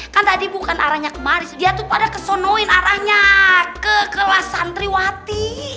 kan tadi bukan arahnya kemari dia tuh pada kesonoin arahnya ke kelas santriwati